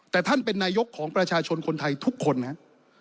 แต่ท่านเป็นนายกของประชาชนคนไทยทุกคนนะครับ